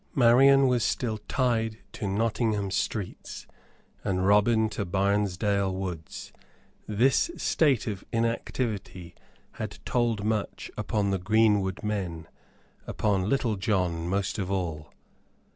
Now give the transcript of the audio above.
Marian was still tied to Nottingham streets and Robin to Barnesdale woods. This state of inactivity had told much upon the greenwood men upon Little John most of all.